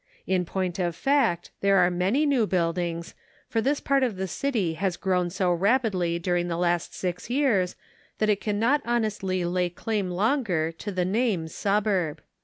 In point of fact, there are many new buildings, for this part of the city has grown so rapidly during the past six years that it can not honestly lay claim longer to the name suburb.